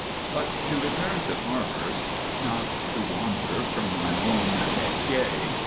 But to return to farmers not to wander from my own metier.